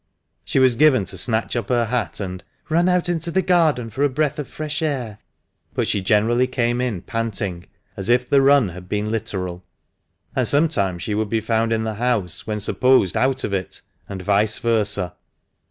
She was given to snatch up her hat and " run out into the garden for a breath of fresh air," but she generally came in panting, as if the "run" had 344 THE MANCHESTER MAN. been literal ; and sometimes she would be found in the house when supposed out of it, and vice versa.